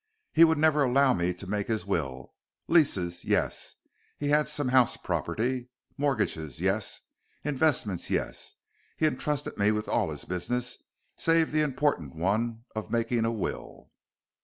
He would never allow me to make his will. Leases yes he has some house property mortgages yes investments yes he entrusted me with all his business save the important one of making a will.